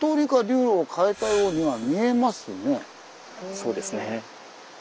そうですね。